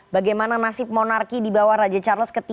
bagaimana nasib monarki di bawah raja charles ke tiga